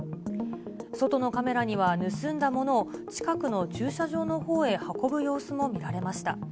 外のカメラには、盗んだものを近くの駐車場のほうへ運ぶ様子も見られました。